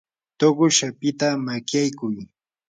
tuqush apita makyaykuy.